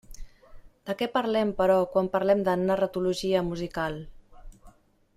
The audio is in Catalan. De què parlem, però, quan parlem de narratologia musical?